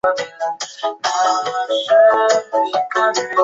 韦罗人口变化图示